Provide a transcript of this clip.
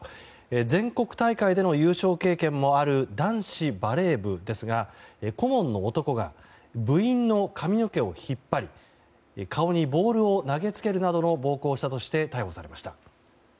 全国大会での優勝経験もある男子バレー部ですが顧問の男が部員の髪の毛を引っ張り顔にボールを投げつけるなどの暴行をしたとして逮捕されました。